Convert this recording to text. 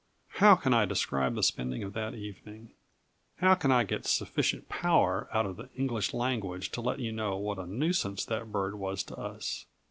How can I describe the spending of that evening? how can I get sufficient power out of the English language to let you know what a nuisance that bird was to us?